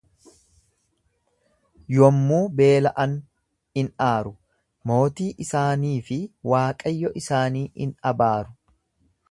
Yommuu beela'an in aaru, mootii isaanii fi Waaqayyo isaanii in abaaru.